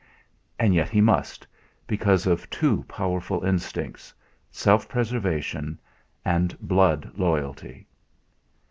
And yet he must, because of two powerful instincts self preservation and blood loyalty.